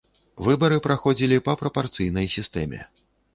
Выбары праходзілі па прапарцыйнай сістэме.